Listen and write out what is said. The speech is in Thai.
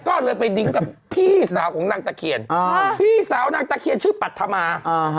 ก็เลยไปดิ้งกับพี่สาวของนางตะเคียนพี่สาวนางตะเคียนชื่อปัธมา